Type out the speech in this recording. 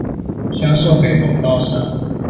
銷售給廣告商